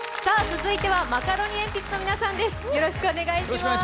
続いてはマカロニえんぴつの皆さんです。